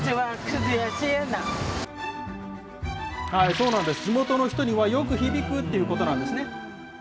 そうなんです、地元の人にはよく響くっていうことなんですね。